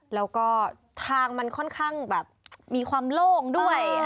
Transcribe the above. แล้วก็ทางมันค่อนข้างแบบมีความโล่งด้วย